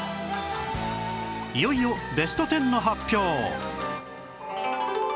いよいよベスト１０の発表